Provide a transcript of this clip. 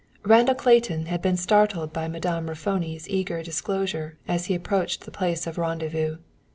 Randall Clayton had been startled by Madame Raffoni's eager disclosure as he approached the place of rendezvous.